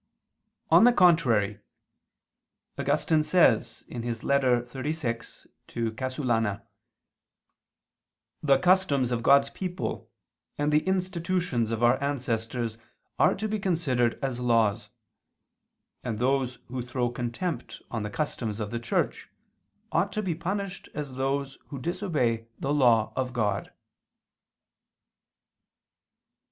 On the contrary, Augustine says (Ep. ad Casulan. xxxvi): "The customs of God's people and the institutions of our ancestors are to be considered as laws. And those who throw contempt on the customs of the Church ought to be punished as those who disobey the law of God."